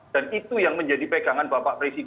dan itu yang menjadi pegangan bapak presiden